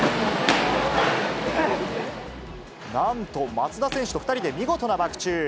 なんと松田選手と２人で見事なバク宙。